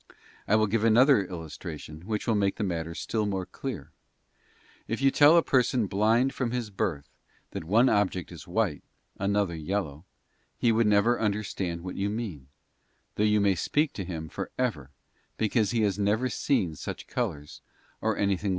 I will give another illustration which will make the matter still more clear: if you tell a person blind from his birth that one object is white, another yellow, he would never under stand what you mean, though you may speak to him for FAITH COMETH BY HEARING. © 59 ever, because he has never seen such colours or anything CHAP.